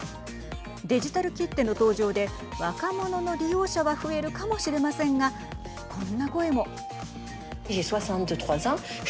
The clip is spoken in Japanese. デジタル切手の登場で若者の利用者は増えるかもしれませんがこんな声も。